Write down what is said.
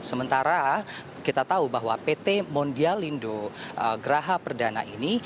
sementara kita tahu bahwa pt mondialindo geraha perdana ini